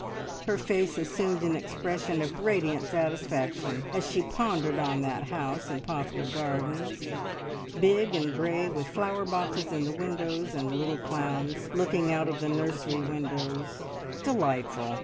Her face assumed an expression of radiant satisfaction as she pondered on that house in Poplar Gardens. Big and grey, with flower boxes in the windows and little clowns looking out of the nursery windows. Delightful!